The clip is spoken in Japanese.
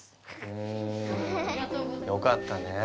うんよかったね。